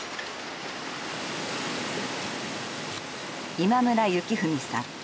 今村幸文さん。